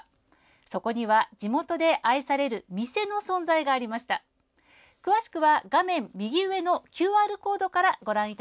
そこには地元で愛される店の存在がありました。